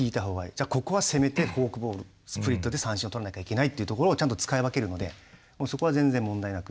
じゃあここは攻めてフォークボールスプリットで三振をとらなきゃいけないっていうところをちゃんと使い分けるのでそこは全然問題なく。